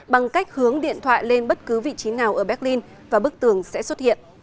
bằng cách hướng điện thoại lên bất cứ vị trí nào ở berlin và bức tường sẽ xuất hiện